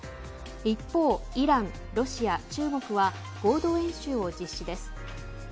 一方、イラン、ロシア、中国は合同演習を実施です。